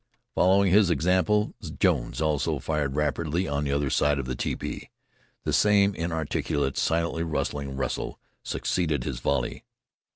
Following his example Jones also fired rapidly on the other side of the tepee. The same inarticulate, silently rustling wrestle succeeded this volley.